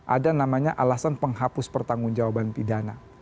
ada namanya alasan penghapus pertanggung jawaban pidana